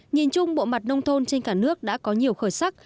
nhìn chung bộ mặt nông thôn trên cả nước đã có nhiều khởi sắc